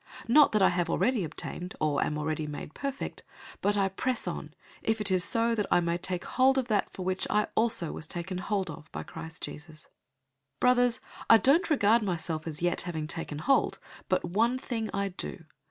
003:012 Not that I have already obtained, or am already made perfect; but I press on, if it is so that I may take hold of that for which also I was taken hold of by Christ Jesus. 003:013 Brothers, I don't regard myself as yet having taken hold, but one thing I do.